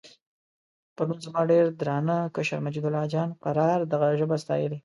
پرون زما ډېر درانه کشر مجیدالله جان قرار دغه ژبه ستایلې.